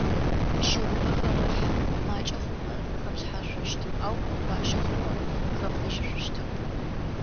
Щыгъубэ хэмылъхь. Макӏэ хъумэ хъэплъхьэшъущт, ау бащэ хъумэ хэпхыжьышъущтэп.